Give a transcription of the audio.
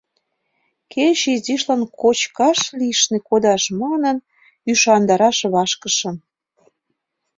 Кеч изишлан кочкыш лишне кодаш манын, ӱшандараш вашкышым.